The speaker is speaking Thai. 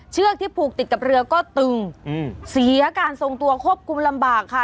เชือกที่ผูกติดกับเรือก็ตึงเสียการทรงตัวควบคุมลำบากค่ะ